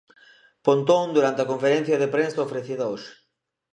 Pontón durante a conferencia de prensa ofrecida hoxe.